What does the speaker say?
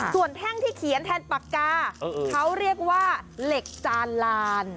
ส่วนแท่งที่เขียนแทนปากกาเขาเรียกว่าเหล็กจานลาน